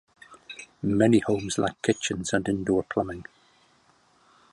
Many homes lack kitchens and indoor plumbing.